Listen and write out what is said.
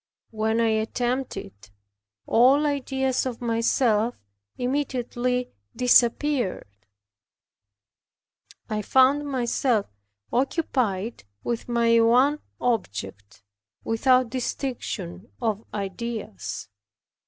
When I attempted it all ideas of myself immediately disappeared. I found myself occupied with my ONE OBJECT, without distinction of ideas.